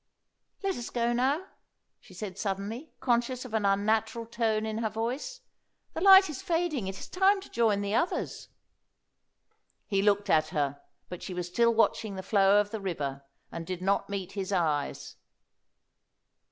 "Let us go now," she said suddenly, conscious of an unnatural tone in her voice. "The light is fading; it is time to join the others." He looked at her, but she was still watching the flow of the river, and did not meet his eyes.